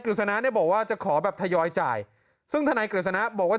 กฤษณะบอกว่าจะขอแบบทยอยจ่ายซึ่งท่านนายกฤษณะบอกว่า